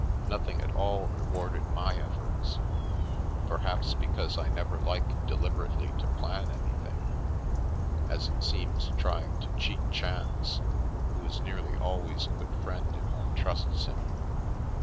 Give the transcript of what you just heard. Nothing at all rewarded my efforts, perhaps because I never like deliberately to plan anything, as it seems trying to cheat chance, who is nearly always a good friend if one trusts him.